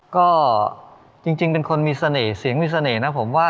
ก็จริงเป็นคนมีเสน่ห์เสียงมีเสน่ห์นะผมว่า